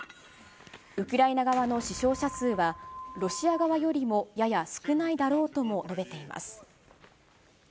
ウクライナ側の死傷者数は、ロシア側よりもやや少ないだろうとも述べています。